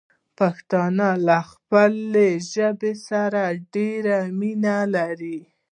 پښتانه له خپلې ژبې سره ډېره مينه لري.